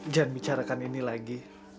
jangan bicarakan ini lagi